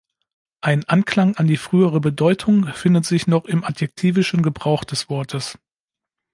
Ein Anklang an die frühere Bedeutung findet sich noch im adjektivischen Gebrauch des Wortes.